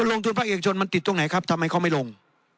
ลงทุนภาคเอกชนมันติดตรงไหนครับทำไมเขาไม่ลง